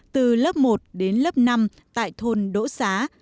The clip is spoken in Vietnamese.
từ lớp một đến lớp năm tại thôn đỗ xá